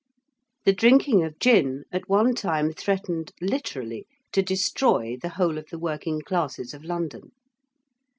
The drinking of gin at one time threatened, literally, to destroy the whole of the working classes of London.